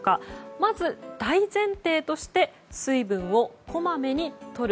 まず、大前提として水分をこまめにとる。